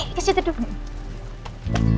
kiki kesitu dulu